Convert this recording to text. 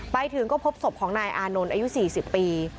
ไปถึงก็พบศพของนายอานนท์อายุ๔๐ปี